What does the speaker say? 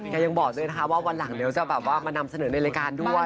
กัลยังบอกเลยนะคะว่าวันหลังจะมานำเสนอในรายการด้วย